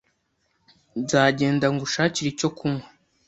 Nzagenda ngushakire icyo kunywa.